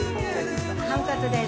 ハムカツです。